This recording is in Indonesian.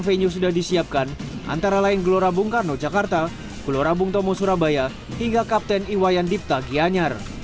venue sudah disiapkan antara lain gelora bung karno jakarta gelora bung tomo surabaya hingga kapten iwayan dipta gianyar